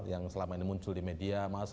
yang selama ini muncul di media mas